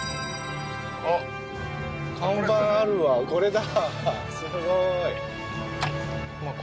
あっ看板あるわこれだ